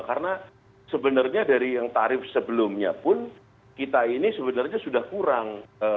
karena sebenarnya dari yang tarif sebelumnya pun kita ini sebenarnya sudah kurang